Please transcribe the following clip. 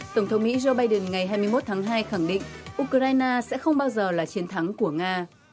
tổng thống mỹ joe biden ngày hai mươi một tháng hai khẳng định ukraine sẽ không bao giờ là chiến thắng của nga